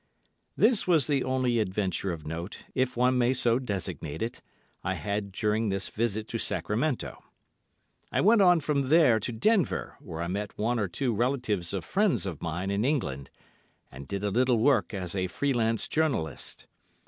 This was the only adventure of note, if one may so designate it, I had during this visit to Sacramento. I went on from there to Denver, where I met one or two relatives of friends of mine in England, and did a little work as a "Free Lance" journalist.